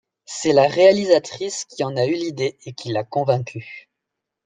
C'est la réalisatrice qui en eu l'idée et qui l'a convaincue.